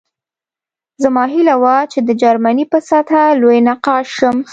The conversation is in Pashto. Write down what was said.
زما هیله وه چې د جرمني په سطحه لوی نقاش شم